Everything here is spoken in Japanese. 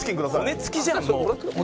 骨付きじゃんもう。